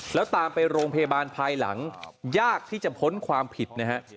แล้วตามไปโรงพยาบาลภายหลังยากที่จะพ้นความผิดนะฮะ